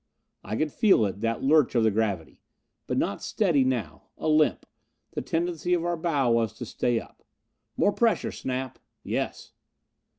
I could feel it, that lurch of the gravity. But not steady now. A limp. The tendency of our bow was to stay up. "More pressure, Snap." "Yes."